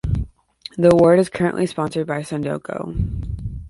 The award is currently sponsored by Sunoco.